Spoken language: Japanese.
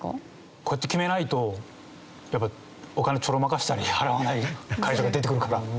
こうやって決めないとやっぱりお金ちょろまかしたり払わない会社が出てくるから。